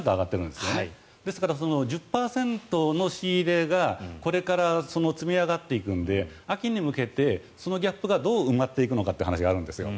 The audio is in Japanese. ですから１０％の仕入れがこれから積み上がっていくので秋に向けてそのギャップがどう埋まっていくのかという話があるんですよ。